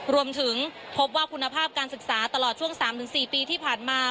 รวมถึงพบว่าคุณภาพการศึกษาตลอดช่วง๓๔ปีที่ผ่านมา